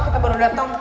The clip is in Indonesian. kita baru datang